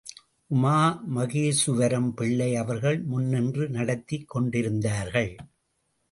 உமாமகேசுவரம் பிள்ளை அவர்கள் முன்நின்று நடத்திக் கொண்டிருந்தார்கள்.